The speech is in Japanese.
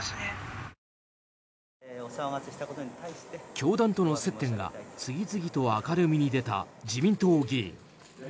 教団との接点が次々と明るみに出た自民党議員。